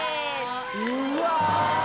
うわ！